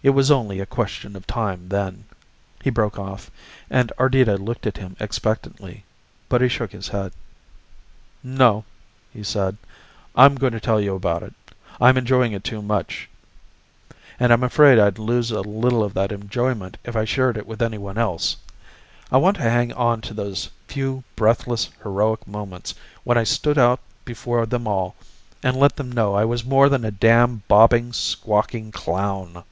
It was only a question of time then." He broke off and Ardita looked at him expectantly, but he shook his head. "No," he said, "I'm going to tell you about it. I'm enjoying it too much, and I'm afraid I'd lose a little of that enjoyment if I shared it with anyone else. I want to hang on to those few breathless, heroic moments when I stood out before them all and let them know I was more than a damn bobbing, squawking clown."